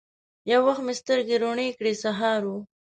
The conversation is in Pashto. یو وخت مې سترګي روڼې کړې ! سهار و